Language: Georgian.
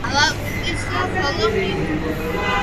ალაყურტის ხოლო ყირტუა